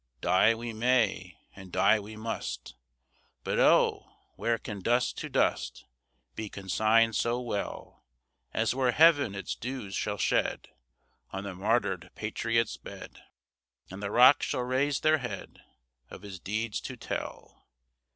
Die we may, and die we must; But, oh, where can dust to dust Be consigned so well, As where Heaven its dews shall shed On the martyred patriot's bed, And the rocks shall raise their head, Of his deeds to tell!